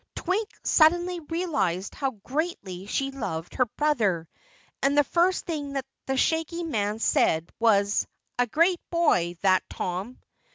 Twink suddenly realized how greatly she loved her brother, and the first thing the Shaggy Man said was, "A great boy, that Tom!"